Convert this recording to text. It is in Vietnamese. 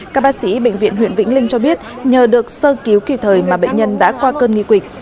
các bác sĩ bệnh viện huyện vĩnh linh cho biết nhờ được sơ cứu kỳ thời mà bệnh nhân đã qua cơn nguy kịch